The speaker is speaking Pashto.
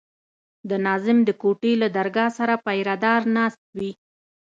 د ناظم د کوټې له درګاه سره پيره دار ناست وي.